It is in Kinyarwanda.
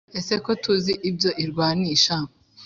Ese ko tuzi ibyo irwanisha